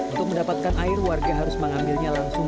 untuk mendapatkan air warga harus mengambilnya langsung